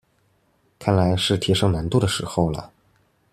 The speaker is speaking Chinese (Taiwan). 看來是提升難度的時候了